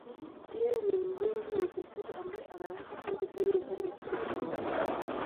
Yeye ni mlinzi wa kushoto ambaye anaweza pia kucheza upande wa kushoto wa uwanja.